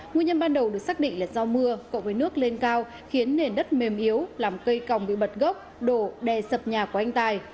nguyên nhân ban đầu được xác định là do mưa cộng với nước lên cao khiến nền đất mềm yếu làm cây còng bị bật gốc đổ đè sập nhà của anh tài